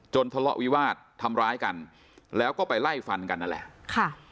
ทะเลาะวิวาสทำร้ายกันแล้วก็ไปไล่ฟันกันนั่นแหละค่ะ